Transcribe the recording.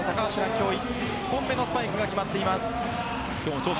今日１本目のスパイクが決まっています。